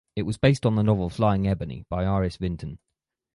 It was based on the novel Flying Ebony by Iris Vinton.